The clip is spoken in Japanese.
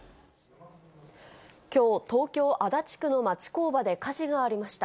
きょう、東京・足立区の町工場で火事がありました。